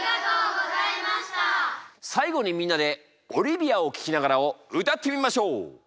最後にみんなで「オリビアを聴きながら」を歌ってみましょう！